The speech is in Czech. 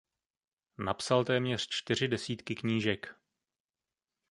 Napsal téměř čtyři desítky knížek.